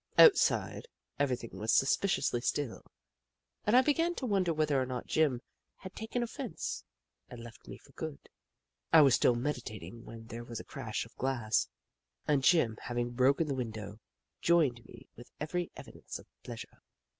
Outside, everything was suspiciously still, and I began to wonder whether or not Jim had taken offence and left me for good. I was still meditating when there was a crash of glass, and Jim, having broken the window, joined me with every evidence of pleasure.